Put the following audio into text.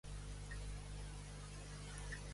Asistió al "The Oslo Academy of the Arts".